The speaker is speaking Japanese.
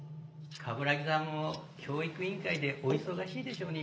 鏑木さんも教育委員会でお忙しいでしょうに。